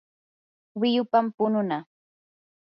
wiyupam pununaa.